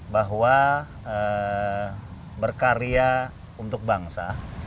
bahwa berkarya untuk bangsa